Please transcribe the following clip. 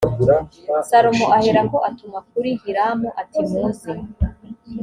salomo aherako atuma kuri hiramu ati muze